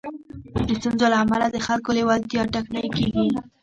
د ستونزو له امله د خلکو لېوالتيا ټکنۍ کېږي.